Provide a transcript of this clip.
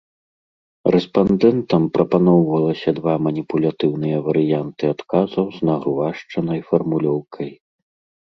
Рэспандэнтам прапаноўвалася два маніпулятыўныя варыянты адказаў з нагрувашчанай фармулёўкай.